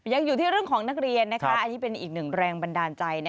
ยังอยู่ที่เรื่องของนักเรียนอันนี้เป็นอีกหนึ่งแรงบันดาลใจ